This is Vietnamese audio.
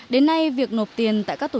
đến nay việc nộp tiền tại các tỉnh